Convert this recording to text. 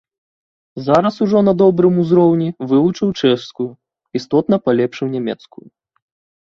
Зараз ужо на добрым узроўні вывучыў чэшскую, істотна палепшыў нямецкую.